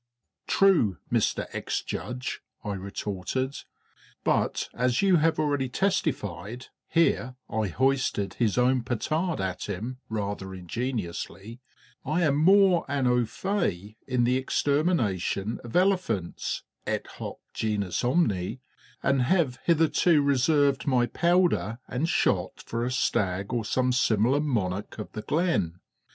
"True, Mister Ex Judge," I retorted, "but as you have already testified" (here I hoisted his own petard at him rather ingeniously), "I am more an au fait in the extermination of elephants et hoc genus omne, and have hitherto reserved my powder and shot for a stag or some similar monarch of the glen.